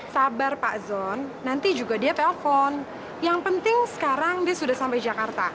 sabar pak zon nanti juga dia telpon yang penting sekarang dia sudah sampai jakarta